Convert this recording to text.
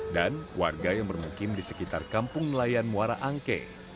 dan warga yang bermukim di sekitar kampung nelayan muara angke